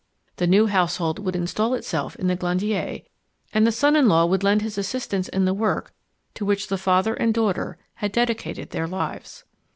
The new household would install itself in the Glandier, and the son in law would lend his assistance in the work to which the father and daughter had dedicated their lives.